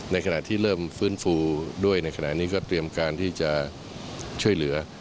ในขณะที่เริ่มฟื้นฟูด้วยในขณะนี้ก็เตรียมการที่จะช่วยเหลือ